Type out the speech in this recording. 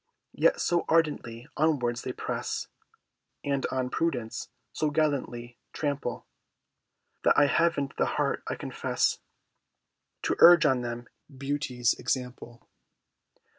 Yet so ardently onwards they press, And on prudence so gallantly trample, That I haven't the heart, I confess, To urge on them Beauty's example.